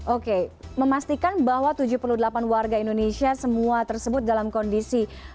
oke memastikan bahwa tujuh puluh delapan warga indonesia semua tersebut dalam kondisi